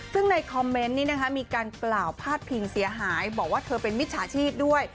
ซึ่งในคอมเมนต์นี้นะคะมีการกล่าวพาดพิงเสียหายบอกว่าเธอเป็นมิจฉาชีพด้วย